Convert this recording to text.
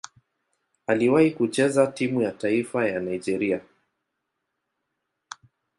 Aliwahi kucheza timu ya taifa ya Nigeria.